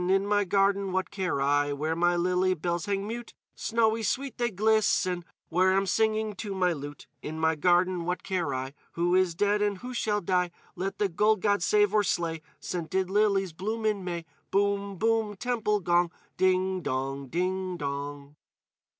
_ In my garden; what care I Where my lily bells hang mute! Snowy sweet they glisten Where I'm singing to my lute. In my garden; what care I Who is dead and who shall die? Let the gold gods save or slay Scented lilies bloom in May. Boom, boom, temple gong! Ding dong! _Ding dong!